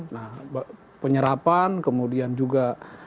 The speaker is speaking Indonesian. nah penyerapan kemudian juga